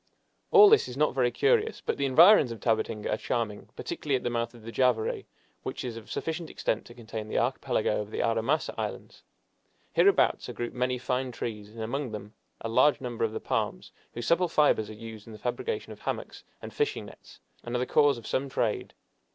All this is not very curious, but the environs of Tabatinga are charming, particularly at the mouth of the Javary, which is of sufficient extent to contain the Archipelago of the Aramasa Islands. Hereabouts are grouped many fine trees, and among them a large number of the palms, whose supple fibers are used in the fabrication of hammocks and fishing nets, and are the cause of some trade.